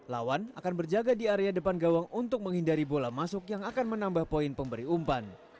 lawan akan berjaga di area depan gawang untuk menghindari bola masuk yang akan menambah poin pemberi umpan